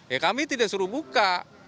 ya kami tidak suruh buka